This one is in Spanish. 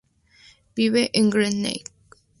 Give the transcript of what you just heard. Vive en Great Neck.